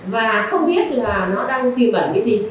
và không biết là nó đang tìm bẩn cái gì